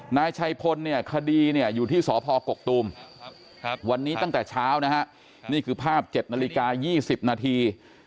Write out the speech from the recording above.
นายชัยพลเนี่ยคดีเนี่ยอยู่ที่สพกกตูมวันนี้ตั้งแต่เช้านะฮะนี่คือภาพ๗นาฬิกา๒๐นาที